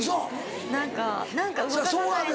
何か何か動かさないと。